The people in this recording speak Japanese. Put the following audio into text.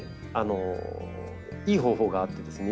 いい方法があってですね